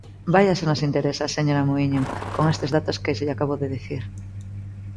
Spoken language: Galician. ¡Vaia se nos interesa, señora Muíño, con estes datos que lle acabo de dicir!